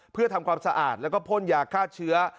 เพื่อทำความสะอาดแล้วก็พ่นยาฆ่าเชื้อ